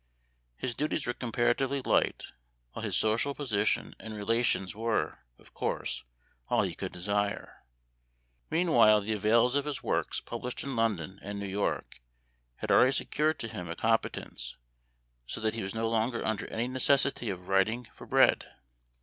His duties were comparatively light, while his social posi tion and relations were, of course, all he could desire. Meanwhile the avails of his works 13 194 Memoir of Washington Irving. published in London and New York had al ready secured to him a competence, so that he was no longer under any necessity of writing for bread.